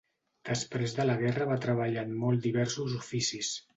Després de la guerra va treballar en molt diversos oficis.